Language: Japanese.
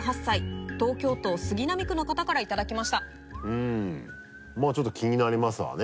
うんまぁちょっと気になりますわね。